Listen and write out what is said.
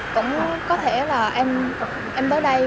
cũng có thể là em đến đây